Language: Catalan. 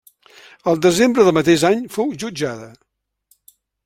Al desembre del mateix any fou jutjada.